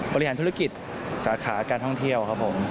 บริหารธุรกิจสาขาการท่องเที่ยวครับผม